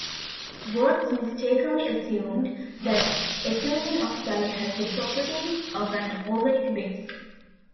Wurtz mistakenly assumed that ethylene oxide has the properties of an organic base.